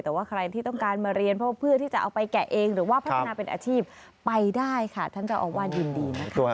แต่ว่าใครที่ต้องการมาเรียนเพื่อที่จะเอาไปแกะเองหรือว่าพัฒนาเป็นอาชีพไปได้ค่ะท่านเจ้าอาวาสยินดีนะคะ